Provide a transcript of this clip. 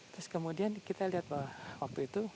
terus kemudian kita lihat bahwa waktu itu